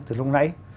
từ lúc nãy